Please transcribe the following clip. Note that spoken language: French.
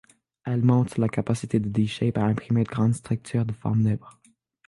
Elle montre la capacité de D-Shape à imprimer de grandes structures de forme libre.